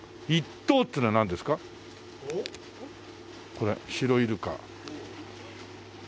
これシロイルカ。